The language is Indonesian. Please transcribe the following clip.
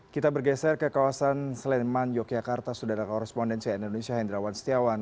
kita bergeser ke kawasan sleman yogyakarta sudah ada korespondensi indonesia hendrawan setiawan